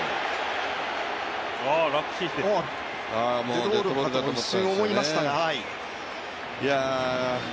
デッドボールだと一瞬思いましたが。